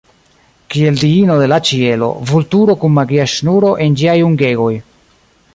Kiel diino de la ĉielo, vulturo kun magia ŝnuro en ĝiaj ungegoj.